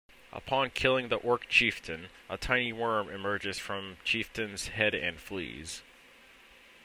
Upon killing the Orc chieftain, a tiny worm emerges from chieftain's head and flees.